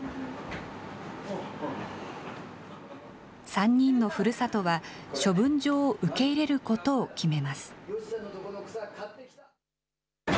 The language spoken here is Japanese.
３人のふるさとは処分場を受け入れることを決めます。